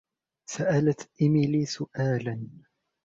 سألت إيميلي سؤالاً.